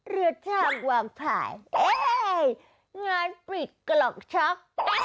เรือจ้างวางพลายงานปิดกรอกช็อก